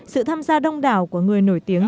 sự tham gia đông đảo của người nổi tiếng